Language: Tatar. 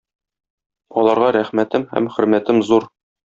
Аларга рәхмәтем һәм хөрмәтем зур.